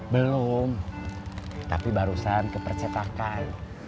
belum tapi barusan kepercetakan